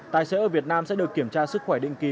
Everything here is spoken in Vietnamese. tài xế ở việt nam sẽ được kiểm tra sức khỏe định kỳ